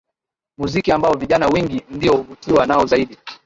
Muziki ambao vijana wengi ndio huvutiwa nao zaidi